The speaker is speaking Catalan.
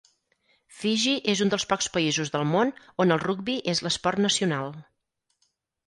Fiji és un dels pocs països del món on el rugbi és l'esport nacional.